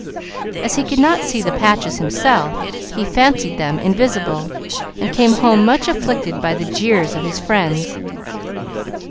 As he could not see the patches himself, he fancied them invisible, and came home much afflicted by the jeers of his friends.